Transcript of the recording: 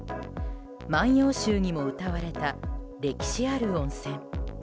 「万葉集」にも歌われた歴史ある温泉。